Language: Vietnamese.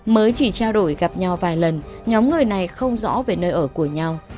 mới chỉ trao đổi gặp nhau vài lần nhóm người này không rõ về nơi ở của nhau